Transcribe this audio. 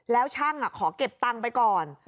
แล้วช่างขอเก็บตังค์ไปก่อน